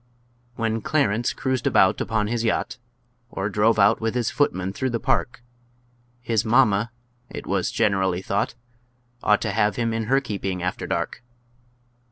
When Clarence cruised about upon his yacht, Or drove out with his footman through the park, His mamma, it was generally thought, Ought to have him in her keeping after dark!